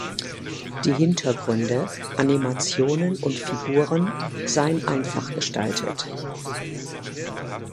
Die Hintergründe, Animationen und Figuren seien einfach gestaltet.